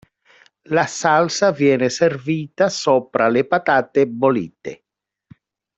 La salsa viene servita sopra le patate bollite.